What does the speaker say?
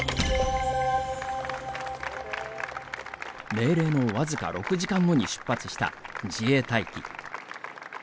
命令の僅か６時間後に出発した自衛隊機。